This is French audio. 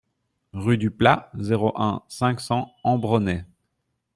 Rue du Plat, zéro un, cinq cents Ambronay